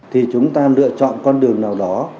thì chúng ta lựa chọn con đường nào đó